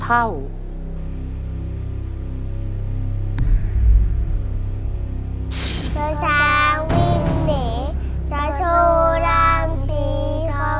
คุณยายแจ้วเลือกตอบจังหวัดนครราชสีมานะครับ